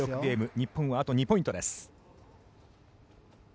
日本はあと２ポイントです。